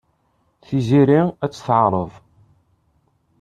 Tiziri ad tt-teɛreḍ.